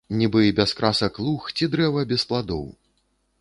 Нібы без красак луг ці дрэва без пладоў.